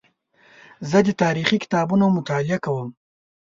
زه د تاریخي کتابونو مطالعه کوم.